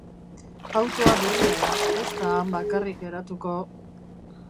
Autoa berria da, ez da han bakarrik geratuko...